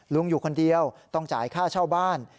ลุงอยู่คนเดียวต้องจ่ายค่าเช่าบ้าน